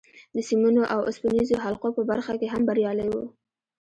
د سیمونو او اوسپنیزو حلقو په برخه کې هم بریالی و